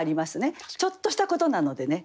ちょっとしたことなのでね。